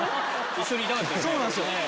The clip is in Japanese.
一緒にいたかったですよね。